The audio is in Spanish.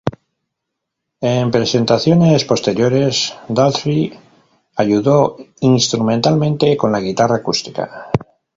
En presentaciones posteriores, Daltrey ayudó instrumentalmente con la guitarra acústica.